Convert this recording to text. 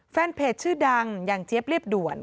แฟนเพจชื่อดังอย่างเจี๊ยบเรียบด่วน